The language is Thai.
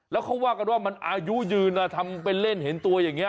แล้วเขาว่ากันว่ามันอายุยืนทำเป็นเล่นเห็นตัวอย่างนี้